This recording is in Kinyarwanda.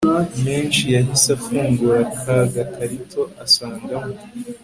menshi yahise afungura kagakarito asangamo